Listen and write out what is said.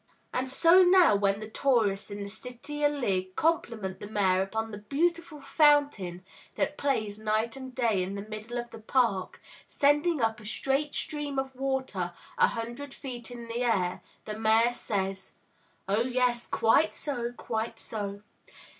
And so now when the tourists in the City o* Ligg compliment the Mayor upon the beautiful fountain that plays night and day in the middle of the Park, sending up a straight stream of water a hundred feet in the air, the Mayor says: "Oh, yes; quite so, quite so!